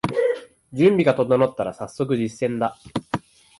準備が整ったらさっそく実践だ